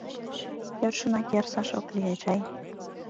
— Йӧршынак ярсаш ок лий, ачай.